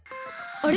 あれ？